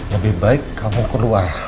lebih baik kamu keluar